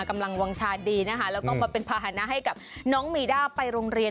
กำลังวางชาดีนะคะแล้วก็มาเป็นภาษณะให้กับน้องมีด้าไปโรงเรียน